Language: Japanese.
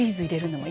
はい。